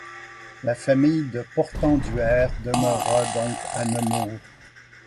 La famille de Portenduère demeura donc à Nemours.